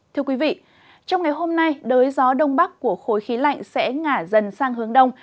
thưa quý vị trong ngày hôm nay đới gió đông bắc của khối khí lạnh sẽ ngả dần sang hướng đông